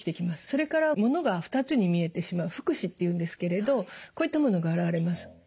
それから物が２つに見えてしまう複視っていうんですけれどこういったものが現れます。